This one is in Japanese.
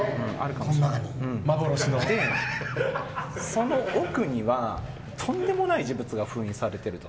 その奥には、とんでもない呪物が封印されていると。